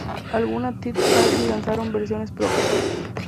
Algunas third-party lanzaron versiones propias.